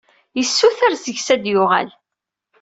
Yessuter seg-s ad d-yuɣal.